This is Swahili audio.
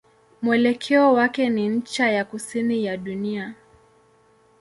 Mwelekeo wake ni ncha ya kusini ya dunia.